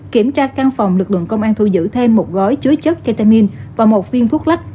kiểm tra căn phòng lực lượng công an thu giữ thêm một gói chứa chất ketamin và một viên thuốc lắc